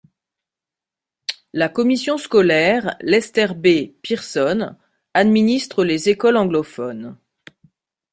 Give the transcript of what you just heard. La Commission scolaire Lester-B.-Pearson administre les écoles anglophones.